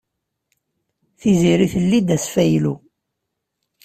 Tiziri telli-d asfaylu.